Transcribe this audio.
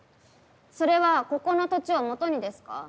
それはここの土地をもとにですか？